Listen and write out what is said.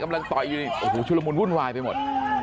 กำลังตอยอยู่นี่โอ้โหชุรมุนวุ่นวายไปหมด